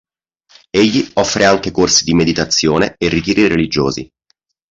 Egli offre anche corsi di meditazione e ritiri religiosi